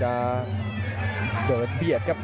สวัสดิ์นุ่มสตึกชัยโลธสวัสดิ์